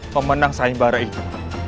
pemenang saing bara itu